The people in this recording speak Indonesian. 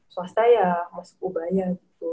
swasta ya masuk ubaya gitu